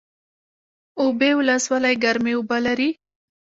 اوبې ولسوالۍ ګرمې اوبه لري؟